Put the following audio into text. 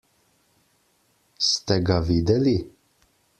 Ste ga videli?